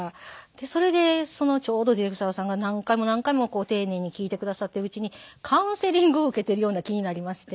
それでちょうどディレクターさんが何回も何回も丁寧に聞いてくださっているうちにカウンセリングを受けているような気になりまして。